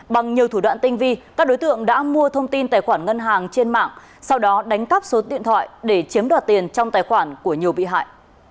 bằng nhiều thủ đoạn tinh vi các đối tượng đã mua thông tin tài khoản ngân hàng trên mạng sau đó đánh cắp số điện thoại để chiếm đoạt tiền trong tài khoản của nhiều bị hại